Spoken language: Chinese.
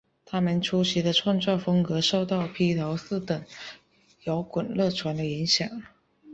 她们初期的创作风格受到披头四等摇滚乐团的影响。